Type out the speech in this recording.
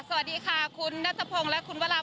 สวัสดีค่ะคุณนัตรรภงและคุณวารสทรา